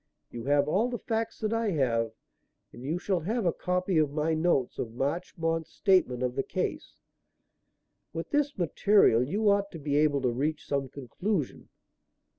You have all the facts that I have and you shall have a copy of my notes of Marchmont's statement of the case. With this material you ought to be able to reach some conclusion.